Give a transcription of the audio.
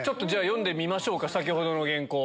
読んでみましょう先ほどの原稿。